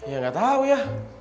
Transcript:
ya gak tau ya